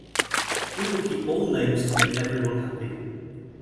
We will keep all names to make everyone happy.